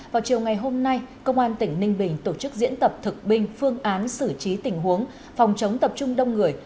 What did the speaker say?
vào chiều ngày hôm nay công an tỉnh ninh bình tổ chức diễn tập thực binh phương án xử trí tình huống phòng chống tập trung đông người